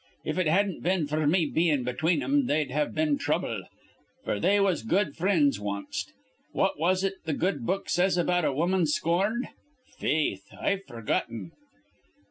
If it hadn't been f'r me bein' between thim, they'd have been trouble; f'r they was good frinds wanst. What is it th' good book says about a woman scorned? Faith, I've forgotten.